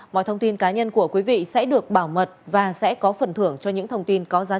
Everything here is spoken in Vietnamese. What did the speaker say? mọi thông tin cá nhân của quý vị sẽ được bảo mật và sẽ có phần thưởng cho những thông tin có giá trị